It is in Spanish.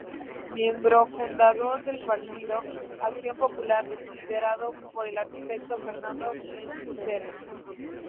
Miembro fundador del partido Acción Popular, liderado por el arquitecto Fernando Belaunde Terry.